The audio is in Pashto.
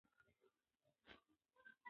انټرنېټ زده کړه پراخوي.